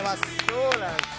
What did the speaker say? そうなんですね。